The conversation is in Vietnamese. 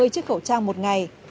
chiếc khẩu trang một ngày